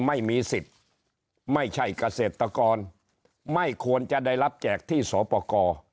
ไม่มีสิทธิ์ไม่ใช่เกษตรกรไม่ควรจะได้รับแจกที่สปกร